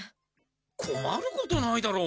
こまることないだろ？